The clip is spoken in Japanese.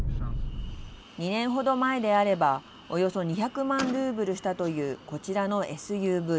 ２年程前であれば、およそ２００万ルーブルしたというこちらのＳＵＶ。